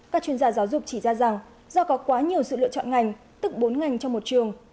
các chuyên gia giáo dục chỉ ra rằng do có quá nhiều sự lựa chọn ngành tức bốn ngành trong một trường